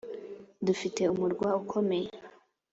«Dufite umurwa ukomeye;